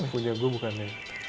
punya gue bukan ya